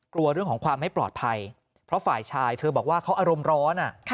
กลัวเรื่องของความไม่ปลอดภัยเพราะฝ่ายชายเธอบอกว่าเขาอารมณ์ร้อน